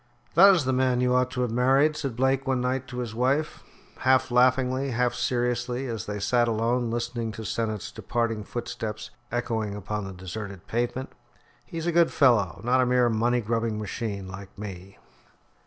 "That is the man you ought to have married," said Blake one night to his wife, half laughingly, half seriously, as they sat alone, listening to Sennett's departing footsteps echoing upon the deserted pavement. "He's a good fellow not a mere money grubbing machine like me."